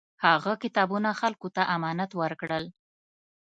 هغه کتابونه خلکو ته امانت ورکول.